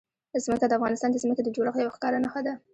ځمکه د افغانستان د ځمکې د جوړښت یوه ښکاره نښه ده.